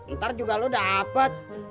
ntar juga lo dapet